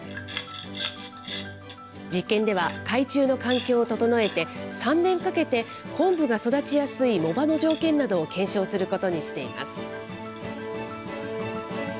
実験では、海中の環境を整えて、３年かけてコンブが育ちやすい藻場の条件などを検証することにしています。